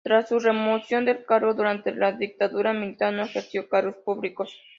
Tras su remoción del cargo, durante la dictadura militar no ejerció cargos públicos.